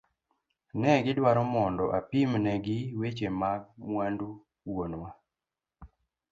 Negi dwaro mondo apimne gi weche mag mwandu wuonwa.